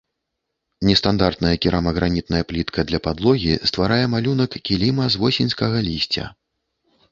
Нестандартная керамагранітная плітка для падлогі стварае малюнак кіліма з восеньскага лісця.